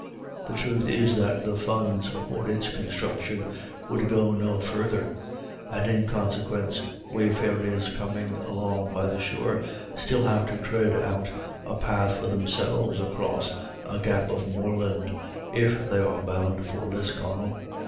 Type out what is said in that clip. The truth is that the funds for its construction would go no further, and, in consequence, wayfarers coming along by the shore still have to tread out a path for themselves across a gap of moorland, if they are bound for Lisconnel.